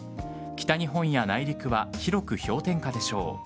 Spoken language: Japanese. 北日本や内陸は広く氷点下でしょう。